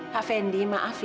pak fendi maaf ya